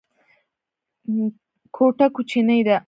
کوټه کوچنۍ ده.